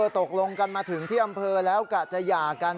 ตกลงกันมาถึงที่อำเภอแล้วกะจะหย่ากัน